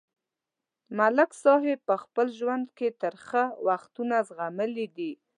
ملک صاحب په خپل ژوند کې ترخه وختونه زغملي دي.